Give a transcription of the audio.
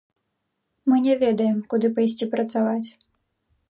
Мы не ведаем, куды пайсці працаваць.